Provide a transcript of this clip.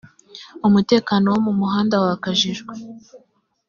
umutekano wo mu muhanda wakajijwe